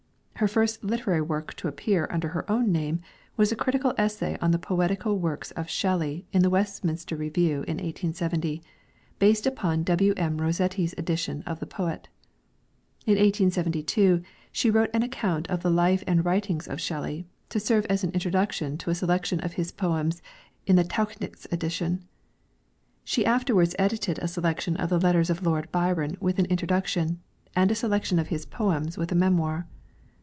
Her first literary work to appear under her own name was a critical essay on the poetical works of Shelley in the Westminster Review in 1870, based upon W.M. Rossetti's edition of the poet. In 1872 she wrote an account of the life and writings of Shelley, to serve as an introduction to a selection of his poems in the Tauchnitz edition. She afterwards edited a selection of the letters of Lord Byron with an introduction, and a selection of his poems with a memoir.